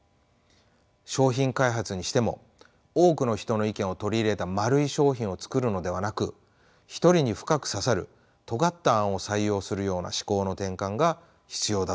商品開発にしても多くの人の意見を取り入れた丸い商品を作るのではなく一人に深く刺さるとがった案を採用するような思考の転換が必要だと思います。